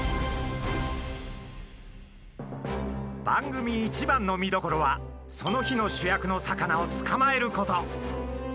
番組一番の見どころはその日の主役の魚を捕まえること。